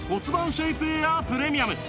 シェイプエアープレミアム